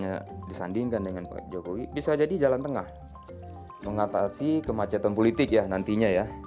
karena disandingkan dengan pak jokowi bisa jadi jalan tengah mengatasi kemacetan politik ya nantinya ya